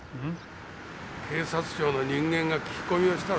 警察庁の人間が聞き込みをしたらおかしいだろう。